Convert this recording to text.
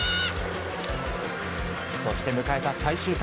そして迎えた最終回。